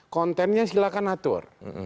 kontennya silakan atur